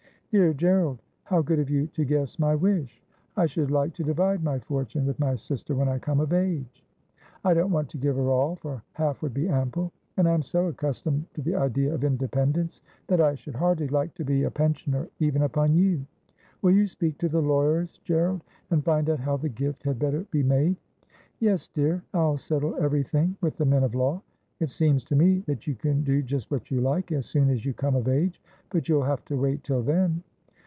' Dear Gerald, how good of you to guess my wish ! I should like to divide my fortune with my sister when I come of age. I don't want to give her all, for half would be ample. And I am so accustomed to the idea of independence, that I should '■Not for your Linage^ ne for your Riehesse.' 171 hardly like to be a pensioner even upon you. Will you speak to the lawyers, Gerald, and find out how the gift had better be made ?' Yes, dear ; I'll settle everything with the men of law. It seems to me that you can do just what you like, as soon as you come of age. But you'll have to wait till then.'